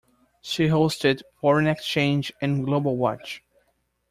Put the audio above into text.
She hosted "Foreign Exchange" and "Global Watch".